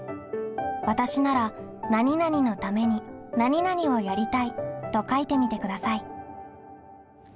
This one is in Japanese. わたしなら何々のために何々をやりたいと書いてみてください。